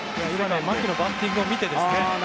牧のバッティングを見てですね。